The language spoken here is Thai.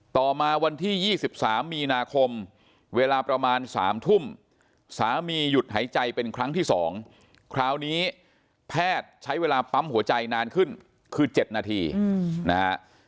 ต่อมาวันที่๒๓มีนาคมเวลาประมาณ๓ทุ่มสามีหยุดหายใจเป็นครั้งที่๒คราวนี้แพทย์ใช้เวลาปั๊มหัวใจนานขึ้นคือ๗นาทีนะฮะ